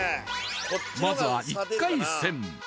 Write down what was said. まずは１回戦